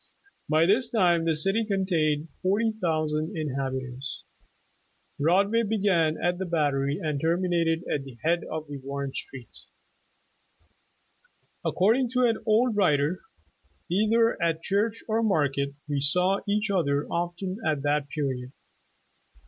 By this time the city contained forty thousand inhabitants. Broadway began at the Battery and ter minated at the head of Warren Street. According to an old writer :'' Either at church or market, we saw each other often at that period.